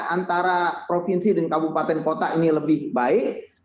antara provinsi dan kabupaten kota ini lebih baik